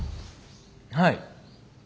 はい。